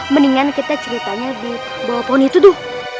mendingan kita ceritanya di bawah pohon itu duh